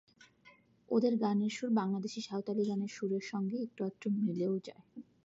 ওদের গানের সুর বাংলাদেশের সাঁওতালি গানের সুরের সঙ্গে একটু-আধটু মিলেও যায়।